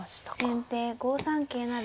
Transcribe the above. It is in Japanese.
先手５三桂成。